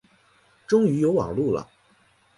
终于有网路了